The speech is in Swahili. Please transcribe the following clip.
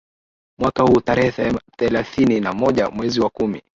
mwaka huu tarehe thelathini na moja mwezi wa kumi